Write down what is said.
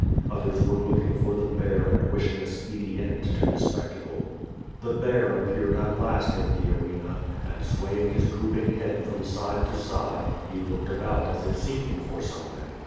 Others were looking for the bear and wishing a speedy end to the spectacle The bear appeared at last in the arena, and, swaying his drooping head from side to side, he looked about as if seeking for something.